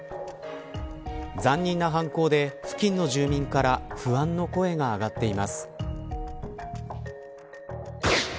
残忍な犯行で、付近の住民から不安の声が上がっています。